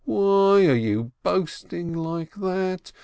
"Why are you boast ing like that?